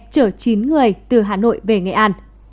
chở chín người từ hà nội về nghệ an